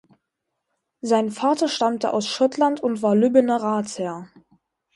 Sein Vater stammte aus Schottland und war Lübbener Ratsherr.